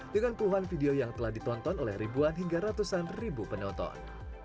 dengan puluhan video yang telah ditonton oleh ribuan hingga ratusan ribu penonton